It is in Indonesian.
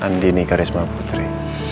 andi nih karisma putri